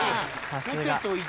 さすが。